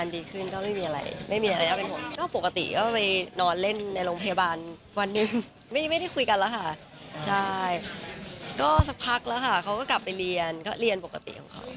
ผู้เช่นว่าเค้าก็กลับไปเรียนปกติของเค้า